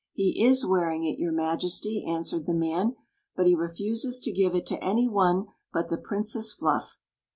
"He is wearing it, your Majesty," answered the man ;" but he refuses to give it to any one but the Princess Fluff."